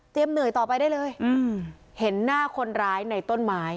เหนื่อยต่อไปได้เลยเห็นหน้าคนร้ายในต้นไม้